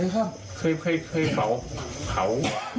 เคยเผา